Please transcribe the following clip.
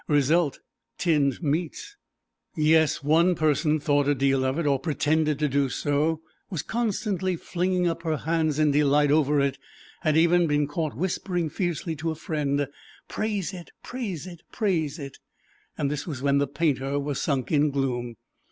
Result, tinned meats. Yes, one person thought a deal of it, or pretended to do so; was constantly flinging up her hands in delight over it; had even been caught whispering fiercely to a friend, "Praise it, praise it, praise it!" This was when the painter was sunk in gloom.